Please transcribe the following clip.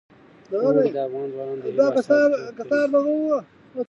اوړي د افغان ځوانانو د هیلو استازیتوب کوي.